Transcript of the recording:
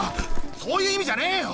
そういう意味じゃねえよ！